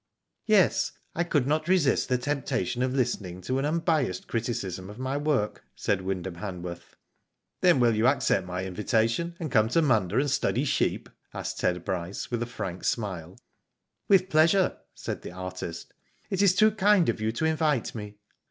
*/ Yes. I could not resist the temptation of listen ing to an unbiassed criticism of my work/' said Wyndham Hanworth. *' Then will you accept my invitation and come to Munda and study sheep?" asked Ted Bryce, with a frank smile. " With pleasure," said the artist. " It is too kind of you to invite me."